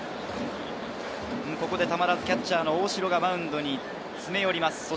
たまらずキャッチャー・大城がマウンドに詰め寄ります。